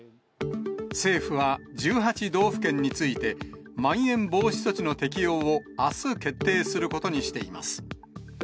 政府は１８道府県について、まん延防止措置の適用を、あす決定することにしています。